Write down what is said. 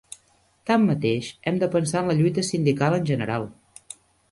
Tanmateix, hem de pensar en la lluita sindical en general.